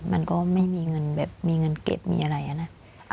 มันก็ไม่มีเงินแบบมีเงินเก็บมีอะไรนะ